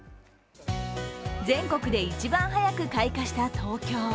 全国で一番早く開花した東京。